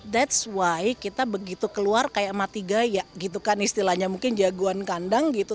⁇ thats ⁇ why kita begitu keluar kayak mati gaya gitu kan istilahnya mungkin jagoan kandang gitu